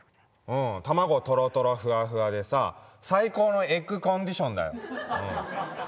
うん卵トロトロふわふわでさ最高のエッグコンディションだよ